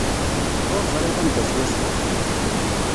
Ur ẓriɣ anda swaswa.